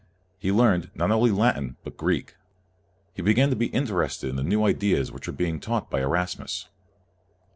He learned, not only Latin, but Greek. He began to be interested in the new ideas which were being taught by Erasmus.